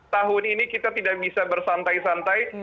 tahun ini kita tidak bisa bersantai santai